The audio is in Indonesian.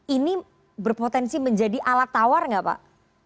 ini berpotensi menjadi alat tawar nggak pak